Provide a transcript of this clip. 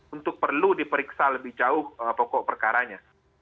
untuk perlu diperiksa lebih jauh pokok perkaranya